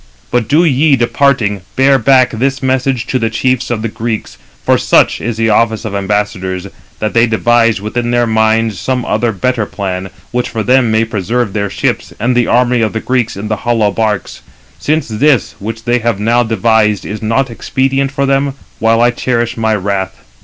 But do ye, departing, bear back this message to the chiefs of the Greeks, for such is the office of ambassadors, that they devise within their minds some other better plan, which for them may preserve their ships, and the army of the Greeks in the hollow barks; since this, which they have now devised, is not expedient for them, while I cherish my wrath.